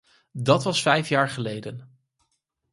Dat was vijf jaar geleden.